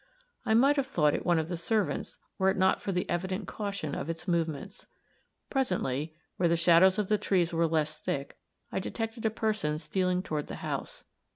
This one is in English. I might have thought it one of the servants were it not for the evident caution of its movements. Presently, where the shadows of the trees were less thick, I detected a person stealing toward the house.